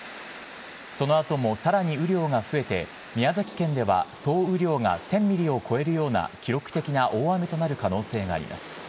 そのあともさらに雨量が増えて、宮崎県では総雨量が１０００ミリを超えるような記録的な大雨となる可能性があります。